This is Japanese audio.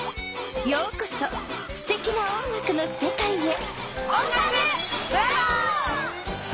ようこそすてきな音楽のせかいへ！